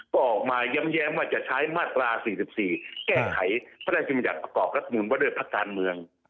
ก็ออกมาแย้มว่าจะใช้มาตรา๔๔แก้ไขพระราชบัญญัติประกอบรัฐมนุนว่าด้วยพักการเมือง